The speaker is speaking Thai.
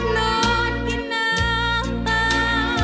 นอนกินน้ำตา